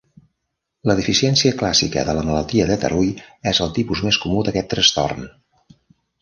La deficiència clàssica de la malaltia de Tarui és el tipus més comú d'aquest trastorn.